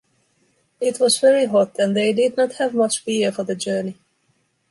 It was very hot and they did not have much beer for the journey.